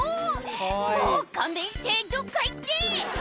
もう勘弁して、どっか行って。